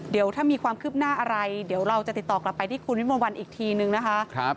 เดี๋ยวถ้ามีความคืบหน้าอะไรเดี๋ยวเราจะติดต่อกลับไปที่คุณวิมวลวันอีกทีนึงนะคะ